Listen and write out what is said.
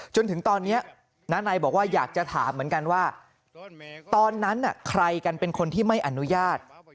จนถึงตอนนี้น้านายบอกว่าอยากจะถามเหมือนกันว่าตอนนั้นใครกันเป็นคนที่ไม่อนุญาต